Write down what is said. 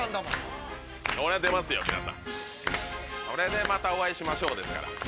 それで「またお会いしましょう」ですから。